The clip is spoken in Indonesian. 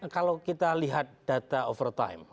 kalau kita lihat data over time